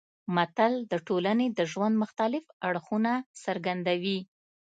متل د ټولنې د ژوند مختلف اړخونه څرګندوي